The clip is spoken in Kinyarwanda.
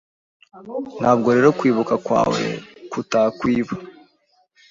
Ntabwo rero kwibuka kwawe kutakwiba